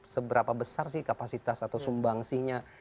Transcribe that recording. seberapa besar sih kapasitas atau sumbangsinya